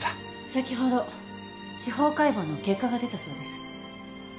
先ほど司法解剖の結果が出たそうです。